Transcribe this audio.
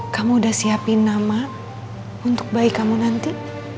kamu udah siapin nama untuk bayi kamu nanti